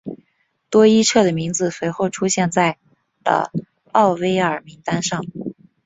多伊彻的名字随后出现在了奥威尔名单上。